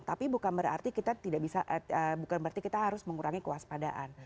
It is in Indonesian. tapi bukan berarti kita harus mengurangi kuasa padaan